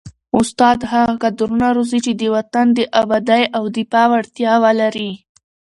استاد هغه کدرونه روزي چي د وطن د ابادۍ او دفاع وړتیا ولري.